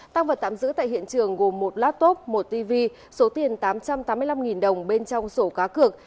tăng vật tạm giữ tại hiện trường gồm một laptop một tv số tiền tám trăm tám mươi năm đồng bên trong sổ cá cược